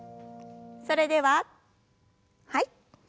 それでははい。